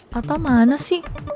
pata mana sih